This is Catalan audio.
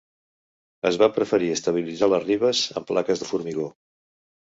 Es va preferir estabilitzar les ribes amb plaques de formigó.